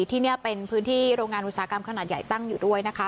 ที่นี่เป็นพื้นที่โรงงานอุตสาหกรรมขนาดใหญ่ตั้งอยู่ด้วยนะคะ